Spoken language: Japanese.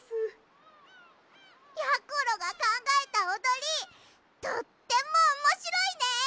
やころがかんがえたおどりとってもおもしろいね！